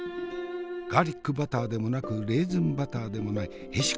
ガーリックバターでもなくレーズンバターでもないへしこバター！